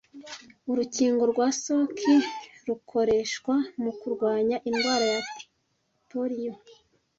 Urukingo rwa Salk rukoreshwa mu kurwanya indwara ya Polio